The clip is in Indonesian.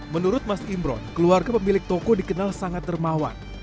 menurut mas imron keluarga pemilik toko dikenal sangat dermawan